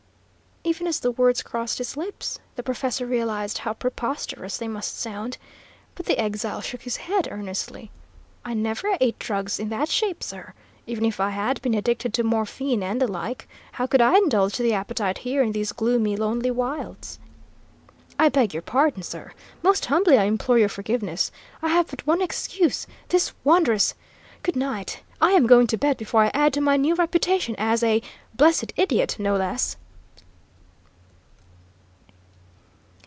Even as the words crossed his lips, the professor realised how preposterous they must sound, but the exile shook his head, earnestly. "I never ate drugs in that shape, sir. Even if I had been addicted to morphine and the like, how could I indulge the appetite here, in these gloomy, lonely wilds?" "I beg your pardon, sir; most humbly I implore your forgiveness. I have but one excuse this wondrous Good night! I'm going to bed before I add to my new reputation as a blessed idiot, no less!"